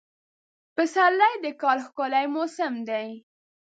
پسرلی د کال ښکلی موسم دی.